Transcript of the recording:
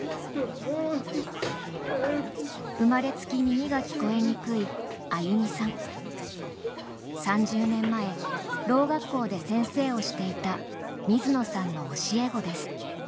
生まれつき耳が聞こえにくい３０年前ろう学校で先生をしていた水野さんの教え子です